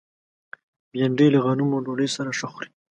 بېنډۍ له غنمو ډوډۍ سره ښه خوري